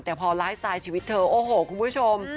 แต่พอไลฟ์สไตล์ชีวิตเธอโอ้โหคุณผู้ชม